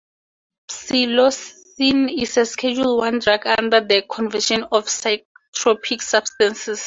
Psilocin is a Schedule One drug under the Convention on Psychotropic Substances.